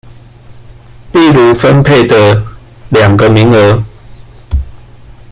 例如分配的二個名額